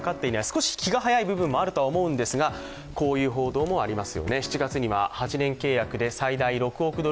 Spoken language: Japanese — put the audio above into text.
少し気が早い部分もあると思うんですがこういう報道もあります。